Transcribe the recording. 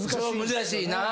難しいな。